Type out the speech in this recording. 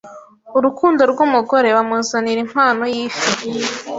urukundo rw'umugore bamuzanira impano y'ifi